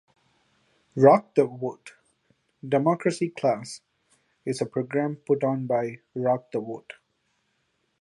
Rock the Vote: Democracy Class is a program put on by Rock the Vote.